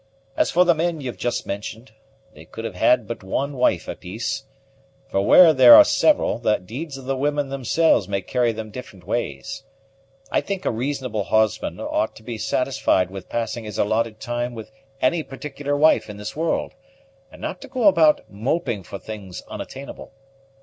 As for the men you've just mentioned, they could have had but one wife a piece; for where there are several, the deeds of the women themselves may carry them different ways. I think a reasonable husband ought to be satisfied with passing his allotted time with any particular wife in this world, and not to go about moping for things unattainable.